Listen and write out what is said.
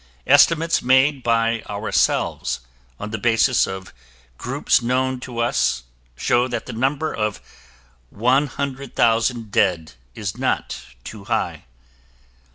Estimates made by ourselves on the basis of groups known to us show that the number of 100,000 dead is not too high.